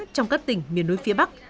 trong các tỉnh miền núi phía bắc